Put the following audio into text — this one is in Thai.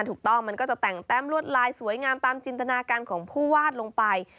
มันก็จะแต่งแต้มลวดลายสวยงามตามจินตนาการของผู้วาดลงไป